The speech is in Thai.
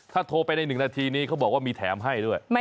ถ้าโทรไปใน๑นาทีนี้เขาบอกว่ามีแถมให้ด้วย